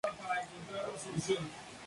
Aidan sigue vivo.